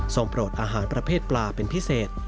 โปรดอาหารประเภทปลาเป็นพิเศษ